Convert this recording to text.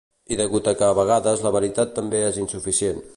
I degut a que a vegades la veritat també és insuficient.